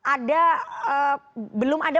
ada belum ada